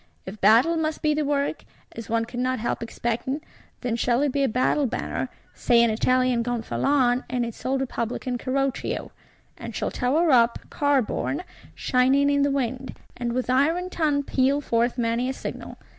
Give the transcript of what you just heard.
If battle must be the work, as one cannot help expecting, then shall it be a battle banner (say, an Italian Gonfalon, in its old Republican Carroccio); and shall tower up, car borne, shining in the wind: and with iron tongue peal forth many a signal.